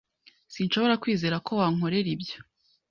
Sinshobora kwizera ko wankorera ibyo.